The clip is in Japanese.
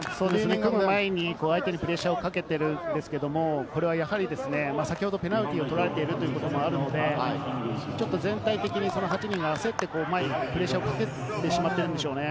相手にプレッシャーをかけてるんですけれど、これはやはり先ほどペナルティーを取られているということもあるので、ちょっと全体的に８人が焦って前にプレッシャーをかけてしまったんでしょうね。